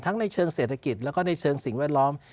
ในเชิงเศรษฐกิจแล้วก็ในเชิงสิ่งแวดล้อม